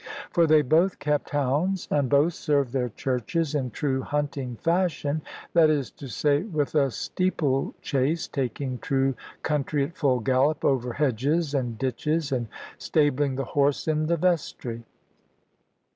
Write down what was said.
For they both kept hounds; and both served their Churches in true hunting fashion that is to say, with a steeplechase, taking true country at full gallop over hedges and ditches, and stabling the horse in the vestry.